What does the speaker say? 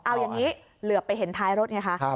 เอาอย่างนี้เหลือไปเห็นท้ายรถไงคะ